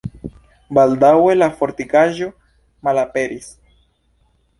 Baldaŭe la fortikaĵo malaperis.